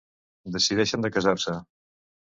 Decideixen de casar-se.